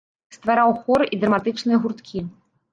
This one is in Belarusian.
Ствараў хоры і драматычныя гурткі.